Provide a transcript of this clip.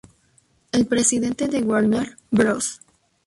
El presidente de Warner Bros.